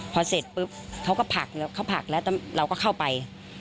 พอเสร็จปุ๊บเขาก็ผักเขาผักแล้วเราก็เข้าไป